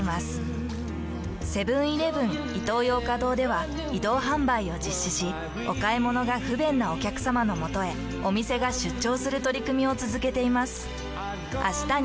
セブンーイレブンイトーヨーカドーでは移動販売を実施しお買い物が不便なお客様のもとへお店が出張する取り組みをつづけています。